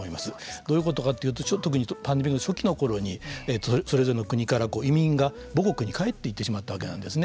どういうことかというとパンデミックの初期のころにそれぞれの国から移民が母国に帰っていってしまったわけなんですね。